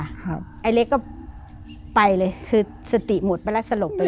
ไอ้เล็กก็ไปเลยคือสติหมดไปแล้วสลบไป